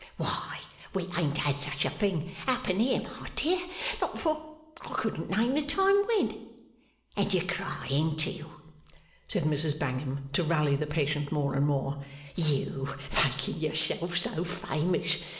Why, we ain't had such a thing happen here, my dear, not for I couldn't name the time when. And you a crying too?' said Mrs Bangham, to rally the patient more and more. 'You! Making yourself so famous!